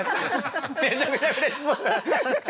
めちゃくちゃうれしそう。